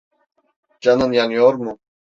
Canın yanıyor mu?